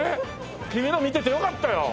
君の見ててよかったよ。